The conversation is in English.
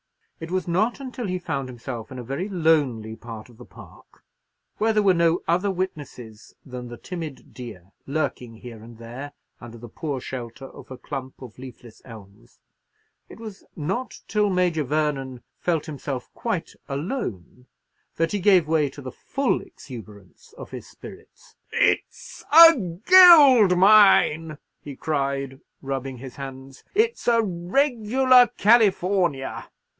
It was not until he found himself in a very lonely part of the park, where there were no other witnesses than the timid deer, lurking here and there under the poor shelter of a clump of leafless elms,—it was not till Major Vernon felt himself quite alone, that he gave way to the full exuberance of his spirits. "It's a gold mine!" he cried, rubbing his hands; "it's a regular California!"